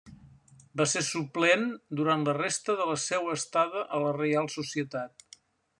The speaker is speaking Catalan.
Va ser suplent durant la resta de la seua estada a la Reial Societat.